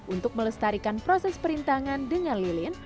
untuk melestarikan proses perintangan dengan lilin